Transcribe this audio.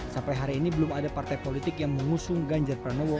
sampai hari ini belum ada partai politik yang mengusung ganjar pranowo